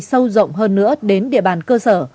sâu rộng hơn nữa đến địa bàn cơ sở